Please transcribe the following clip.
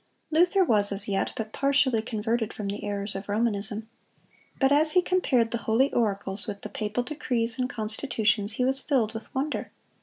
(185) Luther was as yet but partially converted from the errors of Romanism. But as he compared the Holy Oracles with the papal decrees and constitutions, he was filled with wonder.